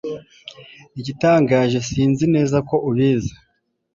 igitangaje sinzi neza ko ubizi